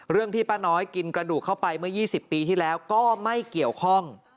ที่ป้าน้อยกินกระดูกเข้าไปเมื่อ๒๐ปีที่แล้วก็ไม่เกี่ยวข้อง